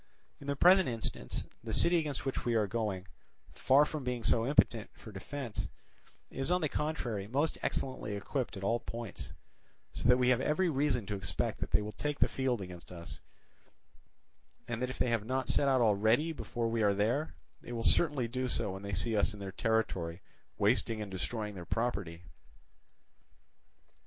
In the present instance, the city against which we are going, far from being so impotent for defence, is on the contrary most excellently equipped at all points; so that we have every reason to expect that they will take the field against us, and that if they have not set out already before we are there, they will certainly do so when they see us in their territory wasting and destroying their property.